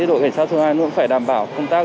đội cảnh sát thứ hai cũng phải đảm bảo công tác